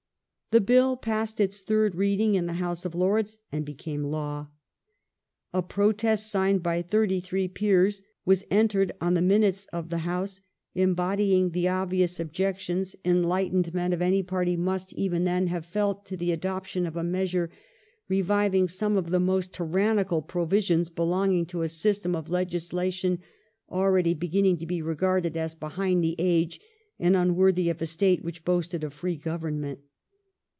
The Bill passed its third reading in the House of Lords, and became law. A protest, signed by thirty three peers, was entered on the minutes of the House embodying the obvious objections enlightened 1714 THE DATE OF THE ACT. 345 men of any party must, even then, have felt to the adoption of a measure reviving some of the most tyrannical provisions belonging to a system of legis lation already beginning to be regarded as behind the age, and unworthy of a State which boasted a free government.